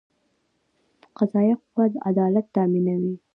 قضایه قوه عدالت تامینوي